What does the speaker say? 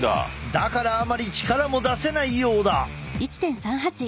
だからあまり力も出せないようだ。